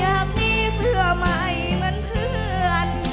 หากนี้เสื้อใหม่มันเพื่อน